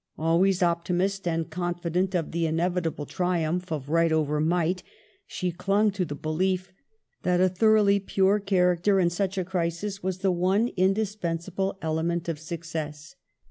Always optimist, and confident of the inevitable triumph of Right over Might, she clung to'the belief that a thoroughly pure character, in such a crisis, was the one indispensable element of success.